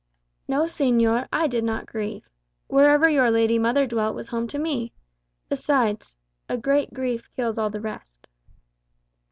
"No, señor, I did not grieve. Wherever your lady mother dwelt was home to me. Besides, 'a great grief kills all the rest.